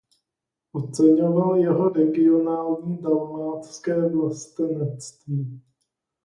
Oceňoval jeho regionální dalmatské vlastenectví.